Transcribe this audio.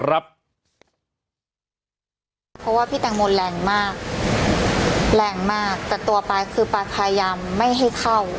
เพราะว่าพี่แตงโมแรงมากแรงมากแต่ตัวปลาคือปลาพยายามไม่ให้เข้า